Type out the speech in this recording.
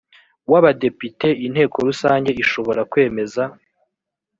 w abadepite inteko rusange ishobora kwemeza